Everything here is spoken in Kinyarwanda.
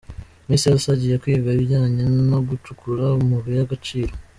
Miss Elsa agiye kwiga ibijyanye no gucukura amabuye y’agaciro.